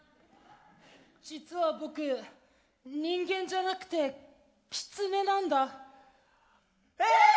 実は僕人間じゃなくてキツネなんだ。え！？